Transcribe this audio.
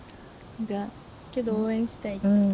けど応援したい。